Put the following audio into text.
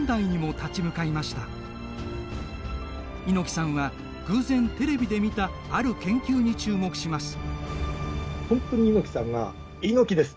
猪木さんは偶然テレビで見たある研究に注目します。